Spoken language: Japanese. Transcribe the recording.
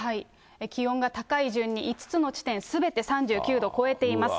気温が高い順に５つの地点、すべて３９度超えています。